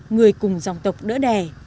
người cùng dòng tộc đỡ đẻ